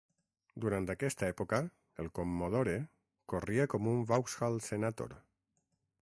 Durant aquesta època, el Commodore corria com un Vauxhall Senator.